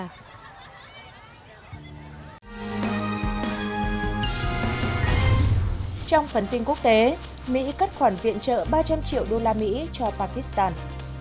trong phần tin quốc tế mỹ cắt khoản viện trợ ba trăm linh triệu đô la mỹ cho pakistan